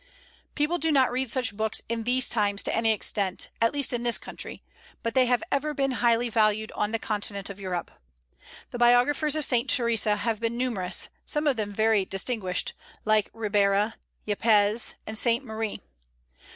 People do not read such books in these times to any extent, at least in this country, but they have ever been highly valued on the continent of Europe. The biographers of Saint Theresa have been numerous, some of them very distinguished, like Ribera, Yepez, and Sainte Marie.